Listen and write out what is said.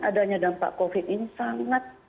adanya dampak covid ini sangat